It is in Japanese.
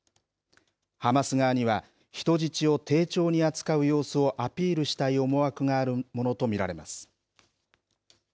ハマス側には、人質を丁重に扱う様子をアピールしたい思惑があるものと見られます。